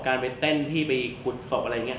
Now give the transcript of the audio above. การไปเต้นที่ไปขุดศพอะไรอย่างนี้